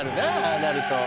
あなると。